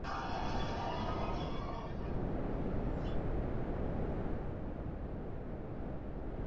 该建筑一直被认为是罗讷河口省最漂亮的宗教建筑。